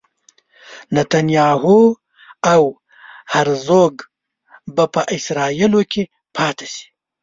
نتنیاهو او هرزوګ به په اسرائیلو کې پاتې شي.